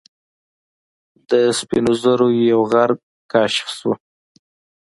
د سپین زرو یو غر کشف شو.